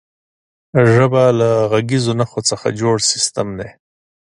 ژبه له غږیزو نښو څخه جوړ سیستم دی.